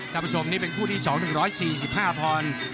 ครับผู้ชมนี่เป็นคู่ที่๒๑๔๕พร